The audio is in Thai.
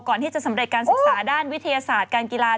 สำเร็จการศึกษาด้านวิทยาศาสตร์การกีฬา